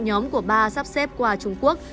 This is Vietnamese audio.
nhóm của ba sắp xếp qua trung quốc